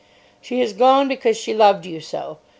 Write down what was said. "She has gone because she loved you so.